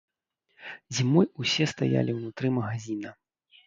Зімой усе стаялі ўнутры магазіна.